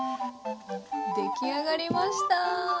出来上がりました。